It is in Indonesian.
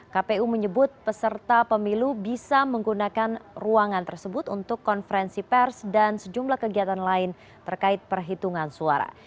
kpu menyebut peserta pemilu bisa menggunakan ruangan tersebut untuk konferensi pers dan sejumlah kegiatan lain terkait perhitungan suara